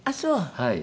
はい。